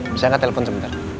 bisa nggak telepon sebentar